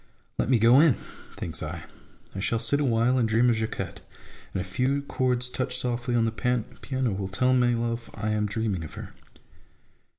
Let me go in ! (thinks I) : I shall sit awhile and dream of Jacquette, and a few chords touched softly on the piano will tell my love I am dreaming of her.